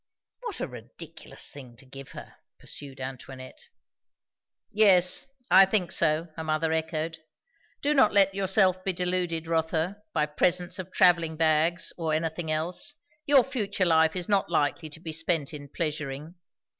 "What a ridiculous thing to give her!" pursued Antoinette. "Yes, I think so," her mother echoed. "Do not let yourself be deluded, Rotha, by presents of travelling bags or anything else. Your future life is not likely to be spent in pleasuring.